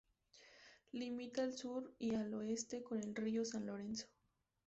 Limita al sur y al oeste con el río San Lorenzo.